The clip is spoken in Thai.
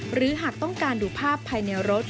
หรือหากต้องการดูภาพภายในรถ